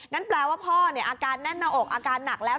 นั้นแปลว่าพ่อเนี่ยอาการแน่นออกอาการหนักแล้ว